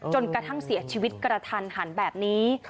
จนกระทั่งเสียชีวิตกระทันหันแบบนี้